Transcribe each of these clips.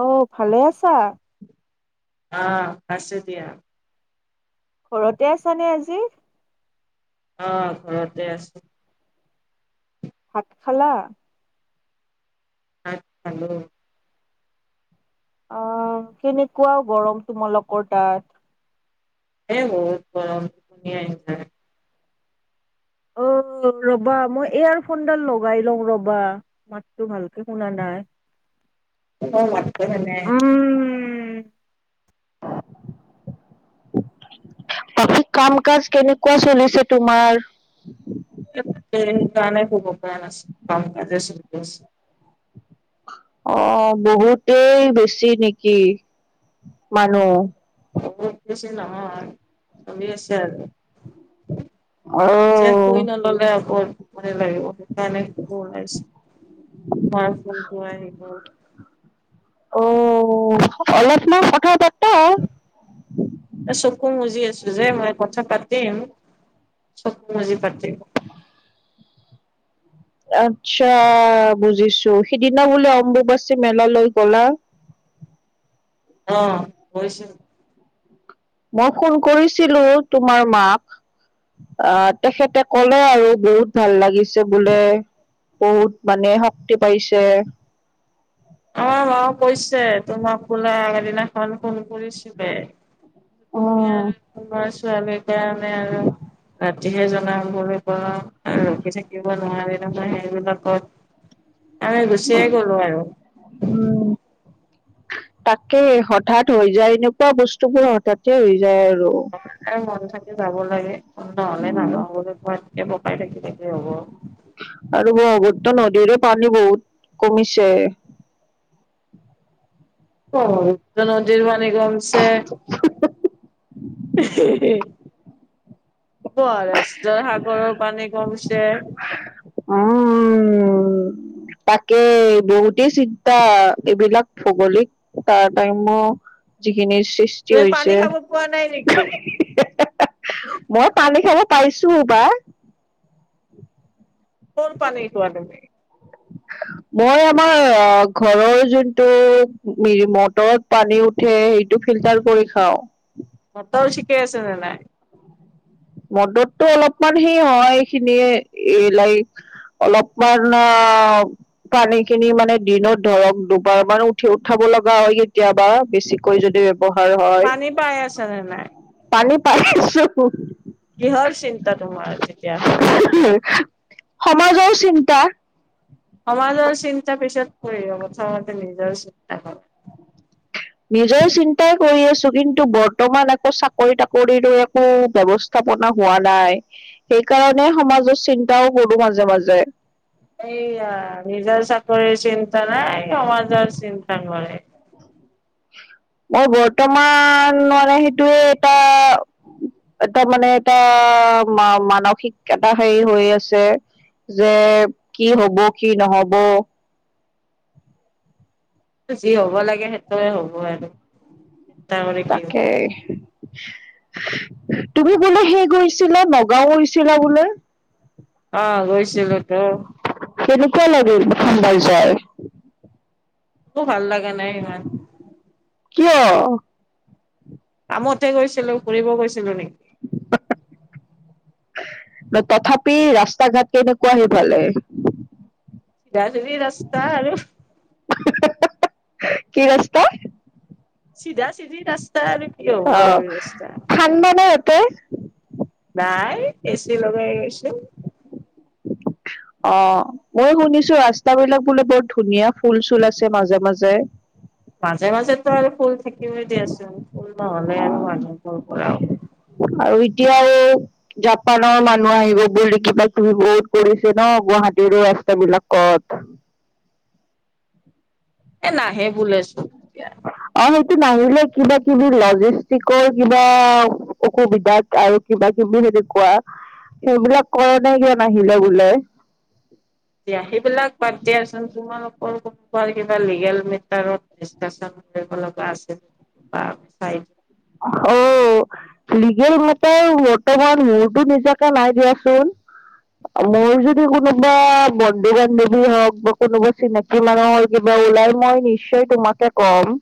অ, ভালে আছা? অ, আছো দিয়া। ঘৰতে আছ নে আজি। আহ ঘৰতে আছো। হাতশালা আলো অ' কেনেকুৱাও গৰম তোমালোকৰ তাত এ বন [unintelligible] অ' ৰবা মই এয়াৰফোনডাল লগাই লওঁ ৰবা মাততটো ভালকে শুনা নাই। [unintelligible] অ মথ তোনে উম বাকী কাম কাজ কেনেকুৱা চলিছে তোমাৰ কাৰ নে খুব অপৰান আছে কাম কাজ চছে অহ বহুতেই বেছি নেকি মানুহ বহুত বেছি নহয় চব আছে। যে কই অ' ন ল'লে আকৌ ম লাগিব কাৰাইছে মটো অহ গ অ অলচনা কথা বাত এ চকু মুজি আছো যে মই কথা পাতিম। চব মজে পতে আচ্ছা বুজিছো সিদিনা বোলে অম্বুবাচী মেলালৈ গলা। অ গৈছে। মই ফোন কৰিছিলো তোমাৰ মাক অ তেখেতে কলে আৰু বহুত ভাল লাগিছে বোলে বহুত মানে শক্তি পাইছে। আমাৰ ম কৈছে তোমাক কোলে আগদিনাখন ফোন কৰিছিলে। তুমি উম আৰু তোমাৰ ছোৱালীৰ কাৰণে আৰু ৰাতিহে জনা হলে। ৰখি থাকিব নোৱাৰে তমে সেইবিলাকত আমি গুচিয়ে গলো আৰু। উম। তাকে হঠাৎ হৈ যায়, এনেকুৱা বস্তুবোৰ হঠাতে হৈ যায় আৰু। আৰু মন থাকে যাব লাগে নহ'লে উম নাজাও বুলি কৱাতকে, নে কি হব। ত নদীৰো পানী বহুত কমিছে ব্ৰহ্মপুত্ৰ নদীৰ পানী কমছে। মহাৰাষ্ট্ৰৰ সাগৰৰ পানী কমছে। উম, তাকে বহুতেই চিন্তা এইবিলাক ভৌগোলিক তাৰটাম্য। যিখিনিৰ সৃষ্টি তুমি পানী হৈছে খাব পোৱা নাই নেকি মই পানী খাব। পাইছো বা। কৰ পানী খোৱা তুমি। [inaudible] মই আমাৰ অ ঘৰৰ যোনটো মিৰি মটৰত পানী উঠে। ইটো ফিল্টাৰ কৰি খাওঁ। মটৰ ঠিকে আছে নে নাই মটৰটো অলপমান সেই হয় এইখিনিয়ে এই লাইক। অলপমান অ', পানী খিনি মানে দিনত ধৰক দুবাৰ মান উঠি উঠাব লগা হয় কেতিয়াবা বেছিকৈ যদি। ব্যৱহাৰ হয়, পানী পাই আছা নে নাই পানী পাইছো। কিহৰ চিন্তা তোমাৰ তেতিয়াহলে সমাজৰ চিন্তা। সমাজৰ চিন্তা পিছত কৰিবা প্ৰথমতে নিজৰ চিন্তা কৰা। নিজৰ চিন্তা, কৰি আছো কিন্তু বৰ্তমান একো চাকৰি তাকৰিও একো ব্যৱস্থাপনা হোৱা নাই। সেইকাৰণে সমাজৰ চিন্তাও কৰো মাজে-মাজে। এইয়া নিজৰ চাকৰিৰ চিন্তা নাই সমাজৰ চিন্তা কৰে মই বৰ্তমান মানে সেইটো এটা [unintelligible] এ তাৰ মানে এটা মা মানসিক এটা হেৰি হৈ আছে। যে কি হ'ব কি নহ'ব যি হ'ব লাগে সেইটোৱে হ'ব আৰু। কৰি কি হ'ব। তাকেই তুমি বোলে সেই গৈছিলা নগাঁও গৈছিলা বোলে অহ গৈছিলোতো কেনেকুৱা লাগিল? প্ৰথমবাৰ যায়। একো ভাল লাগা নাই সিমান কিয় কামতে গৈছিলো ফুৰিব গৈছিলো নি ত তথাপি ৰাস্তা ঘাট কেনেকুৱা? সেইফালে চিধা-চিধি ৰাস্তা আৰু কি ৰাস্তা চিধা চিধি ৰাস্তা আৰু কি অ হ'ব আৰু ৰাস্তা। ঠাণ্ডা না এটে নাই এ চি লগাই গৈছো অ মই শুনিছো ৰাস্তা বিলাক বোলে বৰ ধুনীয়া ফুল - চুল আছে মাজে মাজে। মাজে মাজেতো আৰু ফুল থাকিবই দিয়াচোন ফুল নহলে আৰু অ', মানুহ কৰ পৰা হব। আৰু এতিয়াও জাপানৰ মানুহ আহিব বুলি কিবা-কিবি বহুত কৰিছে ন গুৱাহাটী -হাটিৰো ৰাস্তাবিলাকত। এ নাহে বোলেছোন এতিয়া সি নাহিলে কিবা-কিবি লজিষ্টিকৰ কিবা অসুবিধাত আৰু কিবা - কিবি যদি কোৱা সেইবিলাক কৰোতে কিয় নাহিলে বোলে এতিয়া সেইবিলাক বাদ দিয়াচোন তোমালোকৰ মই কিবা লিগেল মেটাৰত ডিচকাচন কৰিব লগা আছে তাৰ ঠাইত অ, লিগেল মেটাৰ বৰ্তমান মোৰতো নিজকে নাই দিয়াচোন। আৰু মোৰ যদি কোনোবা বন্ধু বান্ধৱী হওক বা কোনোবা চিনাকি মানুৰ হয় কিবা লাই মই নিশ্চয় তোমাকে কম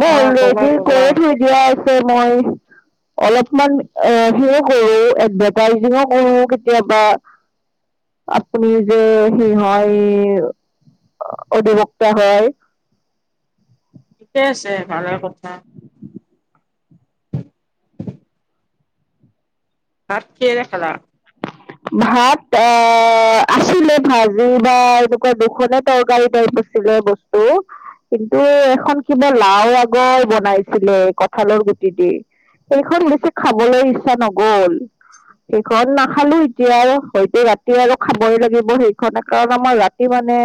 মই অ কবা অলৰেডি কবা কৈ থৈ দিয়া আ- মই' অলপমান এ সিও কৰো এডভাৰটাইজিঙো কৰো কেতিয়াবা আপুনি যে সি হয় অধিবক্তা হয়। ঠিকে আছে ভালে কথা। [unintelligible] ভাত কিহেৰে খালা? ভাত অ আছিলে ভাজি বা এনেকুৱা দুখনে তৰকাৰী তৰ আছিলে বস্তু। কিন্তু এখন কিবা লাও আগৰ বনাইছিলে কঁঠালৰ গুটি দি। সেইখন বেছি খাবলৈ ইচ্ছা নগল সেইখন নাখালো তিয়া আৰু হয়তো ৰাতি আৰু খাবই লাগিব সেইখন কাৰণ আমাৰ ৰাতি মানে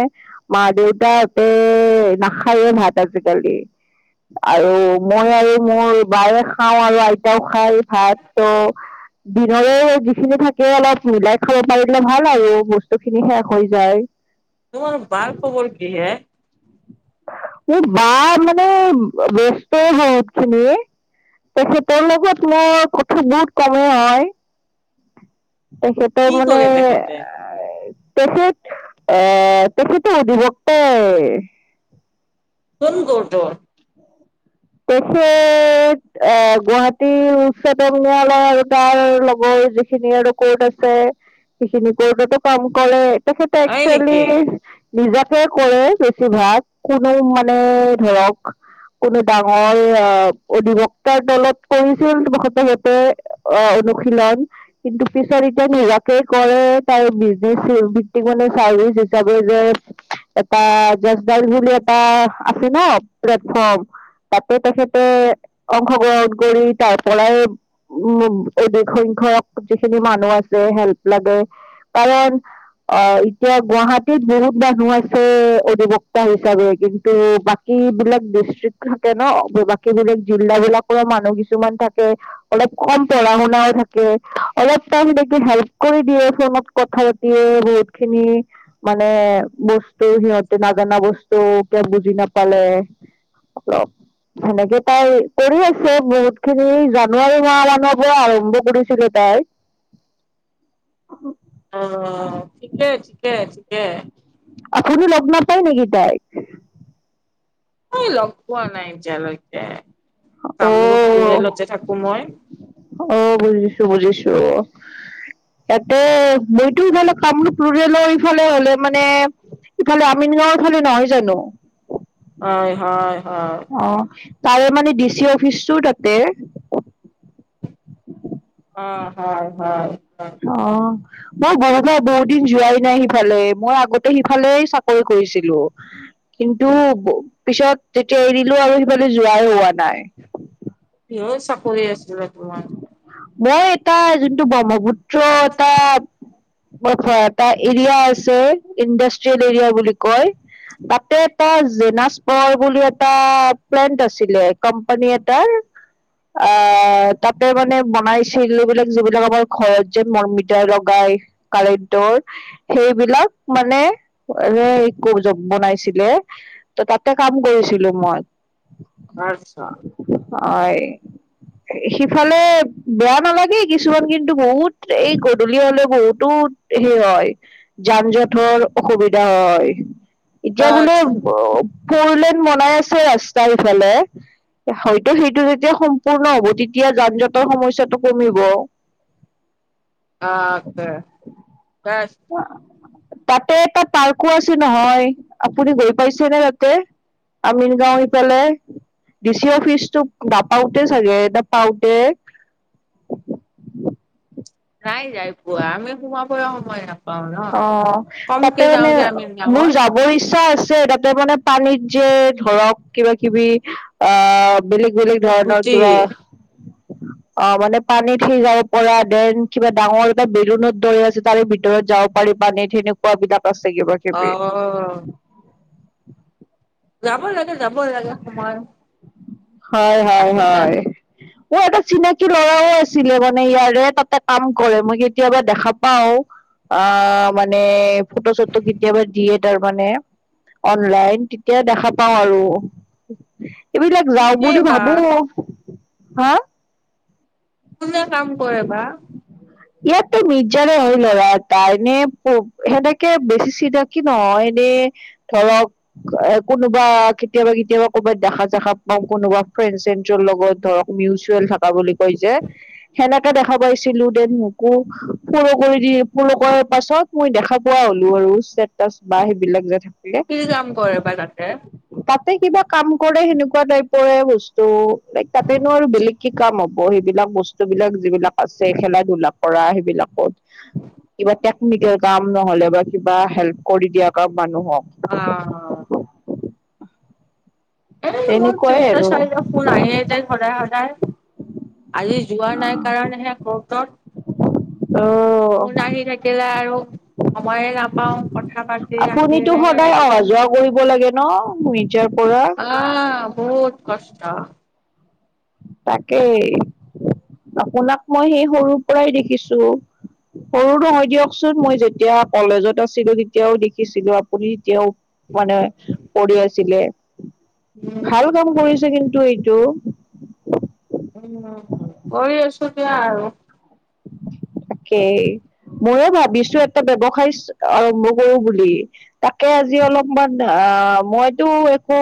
মা দেউতা তে নাখায়ে ভাত আজিকালি আৰু মই আৰু মোৰ বায়ে খাও আৰু আইতাও খাই ভাত ত দিনৰে যিখিনি থাকে অলপ মিলাই খাব পাৰিলে ভাল আৰু বস্তু খিনি শেষ হৈ যায়। তোমাৰ বাৰ খবৰ কিহে? মোৰ বা মানে ব্যস্ত হয় একচুৱেলী - তাৰছত তেওৰ লগত মোৰ কথো বহুত কমেই হয়। তেখেতৰ কি মানে কৰে তেখেতে তেখেতে আ অভিবক্ট তনকোটৰ [unintelligible] তেখেত গুৱাহাটী উচ্চতম ন্যায়ালয়ৰ আৰু তাৰ লগত যিখিনি আৰু কৰ্ট আছে সেইখিনি কৰ্টতো কাম কৰে তেখেতে হয় একচুৱেলি নেকি নিজতেে কৰে বেছিভাগ কোনো মানে ধৰক কোনো ডাঙৰ অ অধিবক্তাৰ দলত পৰিছিল বশতভাৱে অ', অনুশীলন কিন্তু পিছত এতিয়া নিজাকে কৰে [unintelligible] যে এটা বুলি এটা আছে ন প্লেটফৰ্ম তাতে তেখেতে অংশগ্ৰহণ কৰি তাৰ পৰাই উ অধিক সংখ্যক যিখিনি মানুহ আছে হেল্প লাগে কাৰণ অ', এতিয়া গুৱাহাটীত বহুত মানুহ আছে অধিবক্তা হিচাপে কিন্তু বাকী এইাক থাকে ন বাকী বিলগ জিলা বিলাকৰ মানুহ কিছুমান থাকে অলপ কম পঢ়া শুনা থে অলপ টাইম থাকি হেল্প কৰি দিয়ে ফোনত কথা পাতিয় বহুত খিনি মানে বস্তু সিহঁতে নাজানা বস্তু কিয় বুজি নাপালে অলপ সেনেকে তাই কৰি আছে বহুত খিনি জানুৱাৰী মাহ মানৰ পৰা আৰম্ভ কৰিছিলো তাই হয় আহ, চিকে, চিকে, চিকে আপুনি লগ নাপাই নেকি লগ নাপায় নেকি তাইক? এই লগ পোৱা নাই এতিয়ালৈকে অ কামৰূপ ৰ লতে থাকো মই। অ', বুজিছো, বুজিছো ইয়াতে বইতো সফালে কামৰূপ ৰুলেৰ ইফালে হলে মানে ইফালে আমিনগাঁওৰ ফালে নহয় জানো হয় হয় হয় অ', তাৰে মানে ডিচি অফিচটো তাতে অ', হয়, হয় হয় অ', মই বৰু পৰাই বহু দিন যোৱাই নাই সিফালে মই আগতে সিফালে চাকৰি কৰিছিলো কিন্তু পিছত তেতিয়া এৰিলো ও আৰু সেইফালে যোৱাই হোৱা নাই কিহৰ চাকৰি আছিলে তোমাৰ মই এটা যোনটো ব্ৰহ্মপুত্ৰ এটা ম এটা এৰিয়া আছে ইণ্ডাষ্ট্ৰিয়েল এৰিয়া বুলি কয় তাতে এটা জেনাছ পৰ বুলি এটা প্লেণ্ট আছিলে কোম্পানী এটাৰ অ', অ', তাতে মানে বনাই চ বিলাক যিবিলাক আমাৰ ঘৰত যে মমিতা লগাই কাৰেণ্টৰ সেইবিলাক মানে এ বনাইছিলে ত তাতে টা কাম কৰিছিলো মই আচ্ছা হয় সিফালে বেয়া নালাগে কিছুমান কিন্তু বহুত এই গধূলি হলে বহুতো টো সেই হয় যান জঁটৰ অসুবিধা হয় এতিয়া বোলে আচ্ছা পৰলেন বনাই আছে ৰাস্তাৰ ইফালে হয়তো সেইটো যেতিয়া পূৰ্ণ হব তেতিয়া যান জঁটৰ সমস্যয়াটো কমিব অ', আছে তাতে এটা পাৰ্কো আছে নহয় আপুনি গৈ পাইছে নে তাতে আমিন গাঁও সিফালে ডি চি অফিচটো নাপাওতে চাগে এটা পাওতে [unintelligible] নাই যাই পোৱা আমি সোমাব সময় নাপাওঁ ন অ তাতে কমকে যাওঁ মানে যে আমি মোৰ গাৱত যাবৰ ইচ্ছা আছে তাতে মানে পানীত যে ধৰক কিবা কিবি অ বেলেগ বেলেগ ধৰণৰ বুটভুটি কিবা অ মানে পানীত যাব পৰা দেন কিবা ডাঙৰ এটা বেলুনত দৰি আছে তাৰে ভিতৰত যাব পাৰি পানীত সেনেকুৱাবিলাক আছে কিবা অ কিবি উ যাব লাগে যাব লাগে সময় হয় হয় থাকোতে হয় মোৰ এটা চিনাকি ল'ৰাও আছে ছিলে মানে ইয়াৰে তাতে কাম কৰে মই কেতিয়াবা দেখা পাও অ মানে ফটো চটো কেতিয়াবা দিয়ে তাৰ মানে অনলাইন তেতিয়া দেখা পাওঁ আৰু এইব যাওঁ কোনে বুলি বা ভাবো হা কোনে কাম কৰে বা ইয়াততো মিৰ্জাৰে হয় ল'ৰা এটা এনে সেনেকে বেছি চিনাকি নহয় ধৰক এ কোনোবা কেতিয়াবা কেতিয়াবা ক'বাত দেখা চেখা পাওঁ কোনোবা ফ্ৰেণ্ডচ শ্ৰেণ্ডচৰ লগত ধৰক মিউচুৱেল থাকা বুলি কয় যে সেনেকে দেখা পাইচিলোঁ দি ফ'ল' কৰি দিয়ে ফ'ল' কৰাৰ পাছত মই দেখা পোৱা হলো আৰু ষ্টেটাছ বা সেইবিলাক যে তাত কি কাম কৰে বা তাতে তাতে কিবা কাম কৰে সেনেকুৱা টাইপৰে বস্তু লাইক তাতেনো আৰু বেলেগ কি কাম হ'ব সেইবিলাক বস্তু বিলাক যিবিলাক আছে খেলাই ধুলা কৰা সেইবিলাকৰ কিবা টেকনিকেল কাম নহলে বা কিবা হেল্প কৰি দিয়া কাম মানুহক অ এই মোৰ তেনেকুৱাই তিনটা আৰু চাৰিটা ফোন আহে যায় সদায় সদায় আজি যোৱা নাই কাৰণেহে কৰ্টত অ ফোন আহি থাকিলে আৰু সময়ে নাপাও কথা পাতি আপুনিতো আহিলে সদায় অহা যোৱা কৰিব লাগে ন মিৰ্জাৰ পৰা অ বহুত কষ্ট তাকেই আপোনাক মই সেই সৰুৰ পৰাই দেখিছো সৰু নহয় দিয়কচোন মই যেতিয়া কলেজত আছিলো তেতিয়াও দেখিছিলো আপুনি যেতিয়াও মানে কৰি আছিলে উম ভাল কাম কৰিছে কিন্তু এইটো উম কৰি আছো দিয়া আৰু কেই মইও ভাবিছু এটা ব্যৱসায় আৰম্ভ কৰো বুলি তাকে আজি অলপমান অ মইতো একো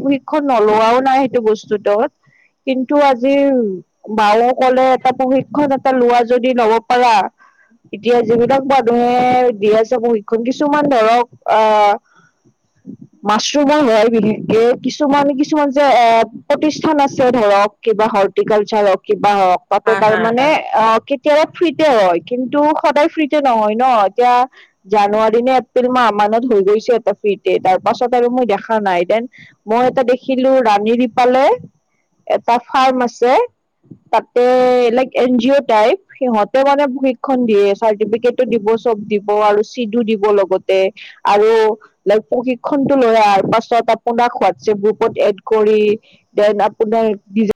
প্ৰশিক্ষণ নলোৱাও নাই সেইটো বস্তুটোত কিন্তু আজি বাও কলে এটা প্ৰশিক্ষণ এটা লোৱা যদি লব পাৰা এতিয়া যিবিলাক মানুহে দি আছে প্ৰশিক্ষণ কিছুমান ধৰক আহ মাছৰুমৰ হয় বিশেষকে কিছুমান কিছুমান যে এ প্ৰতিষ্ঠান আছে ধৰক কিবা হৰ্টিকালচাৰ হক কিব বা হক তাতে হা হা হা তাৰমানে অ অলপ ফ্ৰীতে হয় কিন্তু সদায় ফ্ৰীতে নহয় ন এতিয়া জানুৱাৰী নে এপ্ৰিল মাহ মান হৈ গৈছে এটা ফিতে তাৰ পাছত আৰু মই দেখা নাই দেন মই এটা দেখিলো ৰাণী ৰিপাল এটা ফাৰ্ম আছে তাতে like N G O type সিহঁতে মানে প্ৰশিক্ষণ দিয়ে চাৰ্টিফিকেটো দিব চব দিব আৰু চিটো দিব লগতে আৰু লাইক প্ৰশিক্ষণটো লৈ আহাৰ পাছত আপোনাক হোৱাটছএপ গ্ৰুপত এড কৰি দেন আপোনাৰ